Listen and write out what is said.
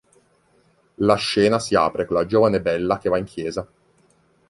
La scena si apre con la giovane Bella che va in chiesa.